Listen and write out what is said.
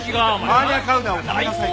バーニャカウダを食べなさい。